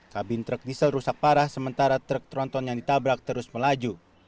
kabin truk diesel rusak parah sementara truk tronton yang ditabrak terus melaju